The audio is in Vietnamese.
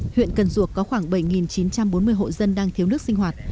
huyện cần duộc có khoảng bảy chín trăm bốn mươi hộ dân đang thiếu nước sinh hoạt